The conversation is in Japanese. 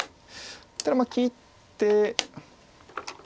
ただ切って。